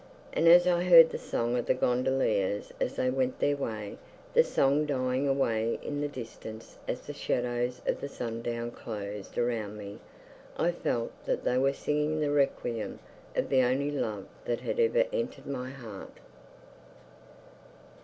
And as I heard the song of the gondoliers as they went their way the song dying away in the distance as the shadows of the sundown closed around me I felt that they were singing the requiem of the only love that had ever entered my heart.